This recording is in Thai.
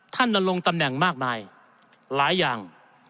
นรงตำแหน่งมากมายหลายอย่าง